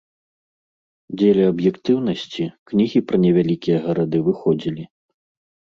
Дзеля аб'ектыўнасці, кнігі пра невялікія гарады выходзілі.